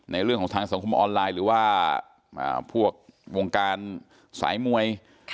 เรื่องของทางสังคมออนไลน์หรือว่าพวกวงการสายมวย